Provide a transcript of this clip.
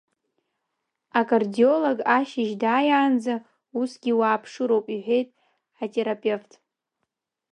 Акардиолог ашьыжь дааиаанӡа усгьы уааԥшыроуп, – иҳәеит атерапевт.